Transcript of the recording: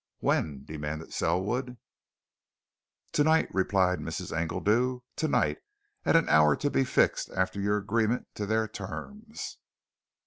"When?" demanded Selwood. "Tonight!" replied Mrs. Engledew. "Tonight at an hour to be fixed after your agreement to their terms."